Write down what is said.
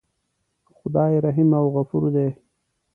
خدای رحیم او غفور دی.